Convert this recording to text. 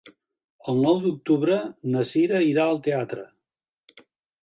El nou d'octubre na Cira irà al teatre.